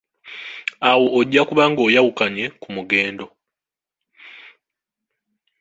Awo ojja kuba ng'oyawukanye ku mugendo.